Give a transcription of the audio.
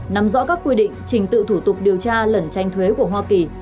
nắm rõ các quy định trình tự thủ tục điều tra lẩn tranh thuế của hoa kỳ